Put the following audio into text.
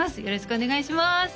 よろしくお願いします